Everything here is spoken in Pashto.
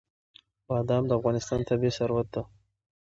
بادام د افغانستان طبعي ثروت دی.